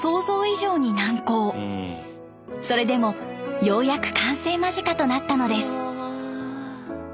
それでもようやく完成間近となったのです。